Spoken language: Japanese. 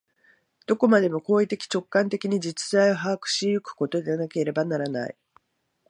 どこまでも行為的直観的に実在を把握し行くことでなければならない。